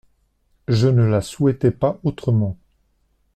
Je ne la souhaitais pas autrement.